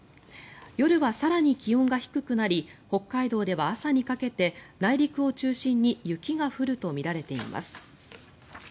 夜は更に気温が低くなり北海道では朝にかけて内陸を中心に雪が降るとみられています。